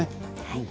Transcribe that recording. はい。